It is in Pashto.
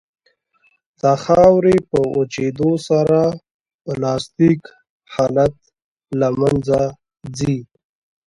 د خاورې په وچېدو سره پلاستیک حالت له منځه ځي